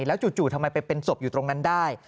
แล้วจู่ทำไมไปเป็นศพอยู่ตรงนั้นได้